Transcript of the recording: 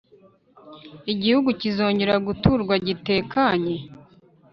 Igihugu kizongera guturwa gitekanye